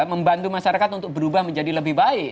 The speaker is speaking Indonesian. membantu masyarakat untuk berubah menjadi lebih baik